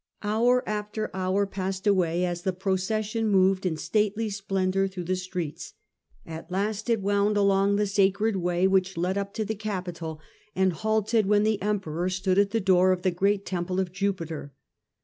Hour after hour passed away as the procession moved in stately splendour through the streets. At last it wound along the Sacred Way which led up to the Capitol, and halted when the Emperor stood at the door of the great temple of Jupiter.